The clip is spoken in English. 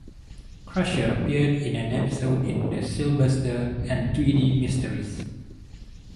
Crusher appeared in an episode in "The Sylvester and Tweety Mysteries".